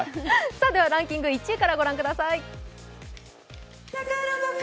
ではランキング１位からご覧ください。